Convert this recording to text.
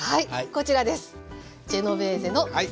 こちらです。